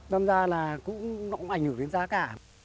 năm ra là cũng ảnh hưởng đến giá cả